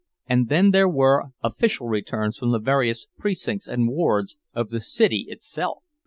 And then there were official returns from the various precincts and wards of the city itself!